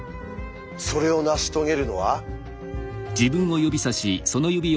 それを成し遂げるのは。